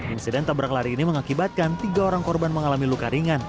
insiden tabrak lari ini mengakibatkan tiga orang korban mengalami luka ringan